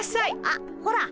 あっほら。